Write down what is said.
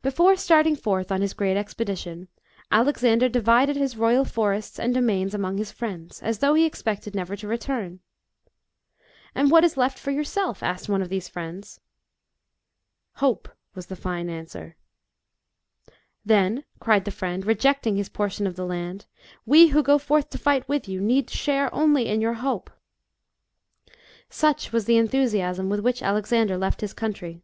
BEFORE starting forth on his great expedition, Alexander divided his royal forests and domains among his friends, as though he expected never to return. "And what is left for yourself?" asked one of these friends. J *" Hope/' was the fine answer. "Then," c\ried the friend, rejecting his portion of the land, " we who go forth to fight with you need share only in your hope." Such was the enthusiasm with which Alexander left his country.